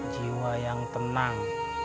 jiwa yang tenang